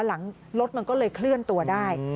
หลังรถมันก็เลยเคลื่อนตัวได้